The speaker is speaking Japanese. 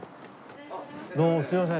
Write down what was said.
どうもすいません